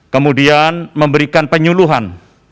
kemudian memberikan penyuluhan